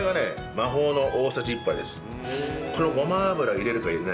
魔法の大さじ１杯です。